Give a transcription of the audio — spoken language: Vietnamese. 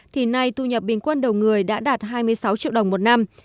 thì nay thu nhập bình quân đầu người đã đạt hai mươi sáu triệu đồng một năm